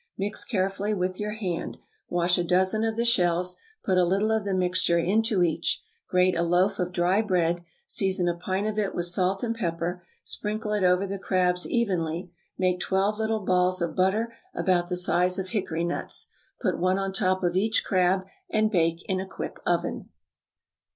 Mix carefully with your hand; wash a dozen of the shells, put a little of the mixture into each; grate a loaf of dry bread, season a pint of it with salt and pepper, sprinkle it over the crabs evenly; make twelve little balls of butter about the size of hickory nuts; put one on top of each crab, and bake in a quick oven.